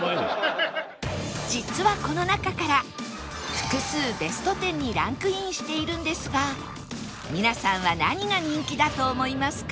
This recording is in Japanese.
実はこの中から複数ベスト１０にランクインしているんですが皆さんは何が人気だと思いますか？